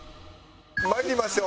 まいりましょう。